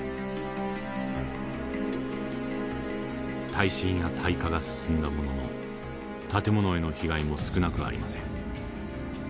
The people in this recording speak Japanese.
耐震や耐火が進んだものの建物への被害も少なくありません。